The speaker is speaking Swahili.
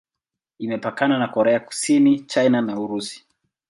Imepakana na Korea Kusini, China na Urusi.